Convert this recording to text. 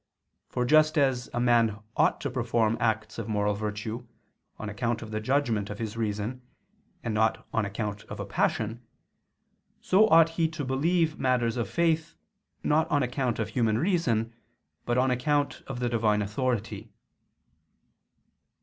For just as a man ought to perform acts of moral virtue, on account of the judgment of his reason, and not on account of a passion, so ought he to believe matters of faith, not on account of human reason, but on account of the Divine authority.